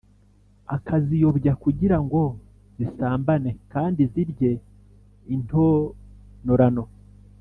akaziyobya kugira ngo zisambane kandi zirye intonōrano.